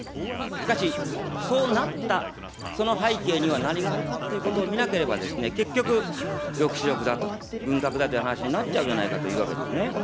しかし、そうなったその背景には何があるかということを見なければですね、結局、抑止力だと、軍拡だという話になっちゃうじゃないかということなんですね。